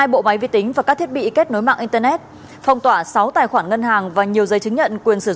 hai bộ máy vi tính và các thiết bị kết nối mạng internet phong tỏa sáu tài khoản ngân hàng và nhiều dây chứng nhận